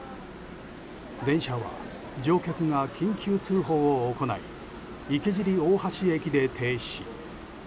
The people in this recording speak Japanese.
電車は乗客が緊急通報を行い池尻大橋駅で停止。